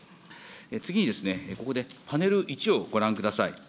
次にここでパネル１をご覧ください。